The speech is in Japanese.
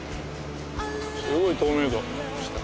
すごい透明度。